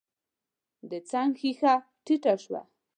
د څنګ ښېښه ټيټه شوه.